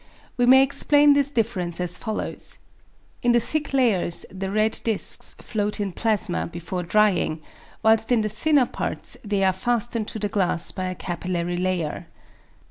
We may explain this difference as follows. In the thick layers the red discs float in plasma before drying, whilst in the thinner parts they are fastened to the glass by a capillary layer.